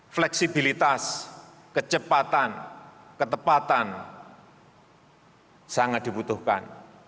fleksibilitas kecepatan ketepatan sangat dibutuhkan